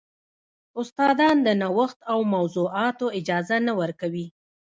استادان د نوښت او موضوعاتو اجازه نه ورکوي.